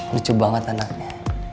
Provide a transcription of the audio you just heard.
lucu banget anaknya